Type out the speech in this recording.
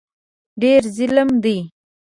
ډېر ظالم دی.